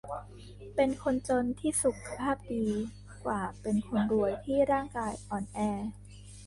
เป็นคนจนที่สุขภาพดีกว่าเป็นคนรวยที่ร่างกายอ่อนแอ